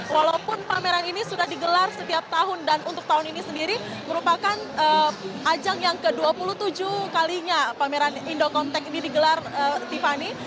walaupun pameran ini sudah digelar setiap tahun dan untuk tahun ini sendiri merupakan ajang yang ke dua puluh tujuh kalinya pameran indocontech ini digelar tiffany